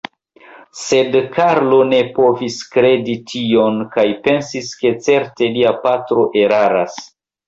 Sed Karlo ne povis kredi tion kaj pensis, ke certe lia patro eraras.